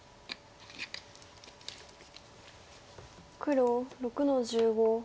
黒６の十五。